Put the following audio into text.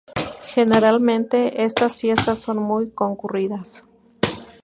Generalmente estas fiestas son muy concurridas.